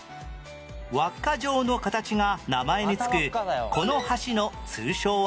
輪っか状の形が名前に付くこの橋の通称は？